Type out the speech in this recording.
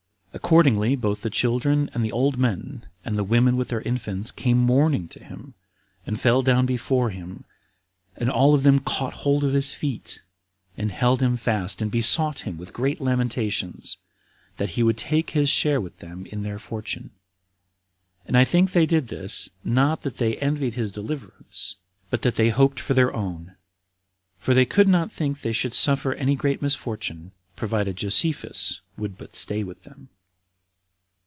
Accordingly, both the children and the old men, and the women with their infants, came mourning to him, and fell down before him, and all of them caught hold of his feet, and held him fast, and besought him, with great lamentations, that he would take his share with them in their fortune; and I think they did this, not that they envied his deliverance, but that they hoped for their own; for they could not think they should suffer any great misfortune, provided Josephus would but stay with them.